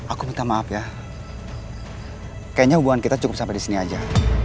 aku minta maaf ya kayaknya hubungan kita cukup sampai di sini aja